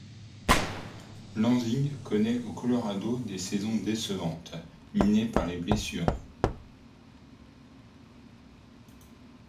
Lansing connaît au Colorado des saisons décevantes minées par les blessures.